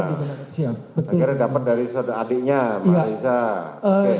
akhirnya dapat dari saudara adiknya pak aisyah